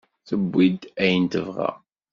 Tewwi-d ayen tebɣa.